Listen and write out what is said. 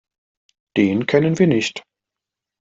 Den kennen wir nicht.